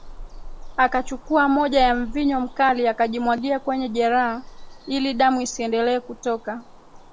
Akachukua moja ya mvinyo mkali akajimwagia kwenye jeraha ili damu isiendelee kutoka